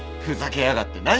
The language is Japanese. ふざけやがって。